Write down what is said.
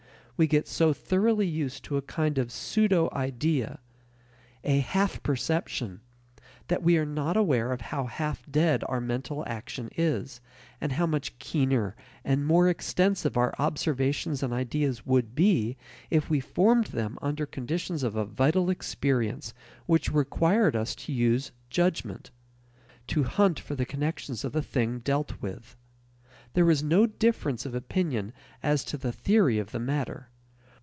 We get so thoroughly used to a kind of pseudo idea, a half perception, that we are not aware how half dead our mental action is, and how much keener and more extensive our observations and ideas would be if we formed them under conditions of a vital experience which required us to use judgment: to hunt for the connections of the thing dealt with. There is no difference of opinion as to the theory of the matter.